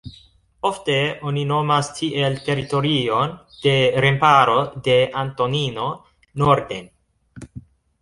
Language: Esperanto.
Ofte oni nomas tiel teritorion de remparo de Antonino norden.